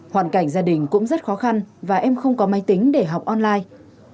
hoàn cảnh gia đình cũng rất khó khăn và em không có máy tính để học online